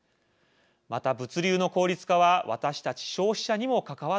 また物流の効率化は私たち消費者にも関わってきます。